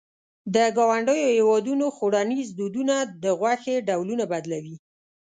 د ګاونډیو هېوادونو خوړنيز دودونه د غوښې ډولونه بدلوي.